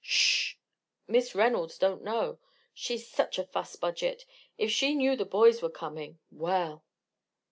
Sh! Miss Reynolds don't know. She's such a fuss budget! If she knew the boys were coming well!"